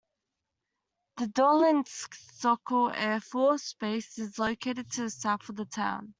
The Dolinsk-Sokol air force base is located to the south of the town.